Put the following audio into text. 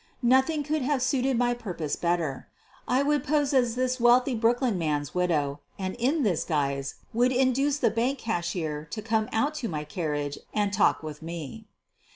Nothing could have suited my purpose better. I would pose as this wealthy Brooklyn man's widow, and in this guise would induce the bank cashier to come out to my carriage and talk with me.